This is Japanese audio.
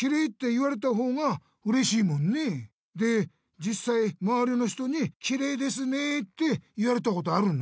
じっさいまわりの人にきれいですねって言われたことあるの？